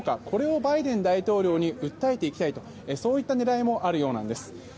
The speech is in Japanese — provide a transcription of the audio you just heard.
これをバイデン大統領に訴えていきたいとそういった狙いもあるようなんです。